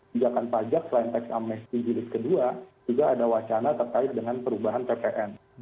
bijakan pajak selain tax amnesty gilid ke dua juga ada wacana terkait dengan perubahan ppn